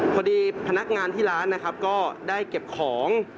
พนักงานที่ร้านนะครับก็ได้เก็บของ